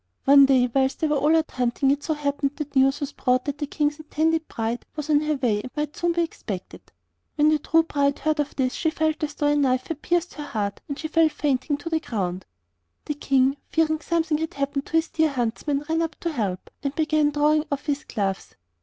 One day whilst they were all out hunting it so happened that news was brought that the King's intended bride was on her way and might soon be expected. When the true bride heard of this she felt as though a knife had pierced her heart, and she fell fainting to the ground. The King, fearing something had happened to his dear huntsman, ran up to help, and began drawing off his gloves.